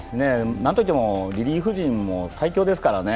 何といってもリリーフ陣も最強ですからね。